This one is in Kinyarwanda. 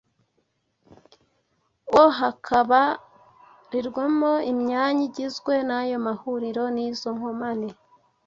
ubwo hakabarirwamo imyanya igizwe n'ayo mahuliro n'izo nkomane